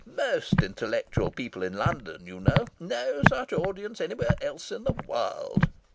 Most intellectual people in London, you know. No such audience anywhere else in the wahld!"